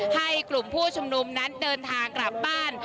ให้กลุ่มผู้ชุมนุมนั้นเดินทางกลับบ้าน